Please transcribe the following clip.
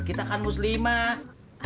kita kan muslimah